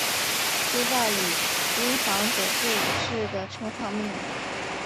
街道以英皇佐治五世的称号命名。